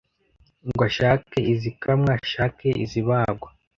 Ngo ashake izikamwa ashake izibagwa